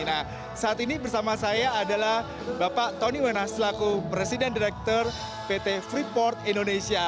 nah saat ini bersama saya adalah bapak tony wenas selaku presiden direktur pt freeport indonesia